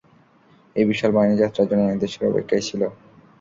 এ বিশালবাহিনী যাত্রার জন্য নির্দেশের অপেক্ষায় ছিল।